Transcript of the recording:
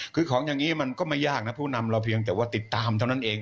คือของอย่างนี้มันก็ไม่ยากนะผู้นำเราเพียงแต่ว่าติดตามเท่านั้นเอง